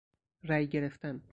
رای گرفتن